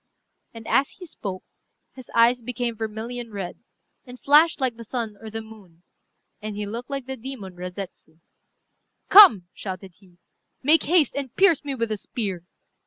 And as he spoke, his eyes became vermilion red, and flashed like the sun or the moon, and he looked like the demon Razetsu. [Footnote 66: A Buddhist fiend.] "Come," shouted he, "make haste and pierce me with the spear."